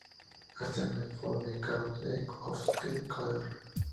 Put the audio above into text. Assessment for the case of Ecuador".